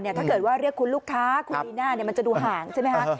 ถ้าเกิดว่าเรียกคุณลูกค้าคุณลีน่ามันจะดูห่างใช่ไหมคะ